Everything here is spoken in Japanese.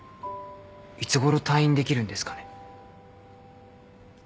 いつごろ退院できるんですかね？